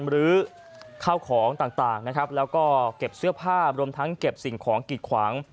บริษัทเข้าของต่างแล้วก็เก็บเสื้อผ้ารวมทั้งเก็บสิ่งของกิดขวาง